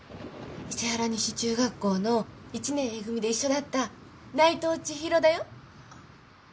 伊勢原西中学校の１年Ａ組で一緒だった内藤ちひろだよ。